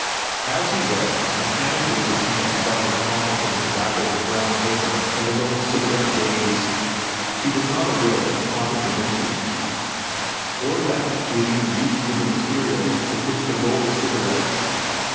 As he read, mechanically his hand sought his pocket for the tobacco and brown paper of his old cigarette days. He was not aware that the pocket was empty or that he had even reached for the materials with which to roll a cigarette.